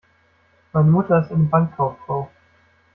Meine Mutter ist eine Bankkauffrau.